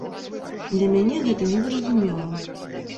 Для мяне гэта не зразумела.